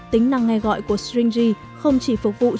tính năng nghe gọi của stringy không chỉ phục vụ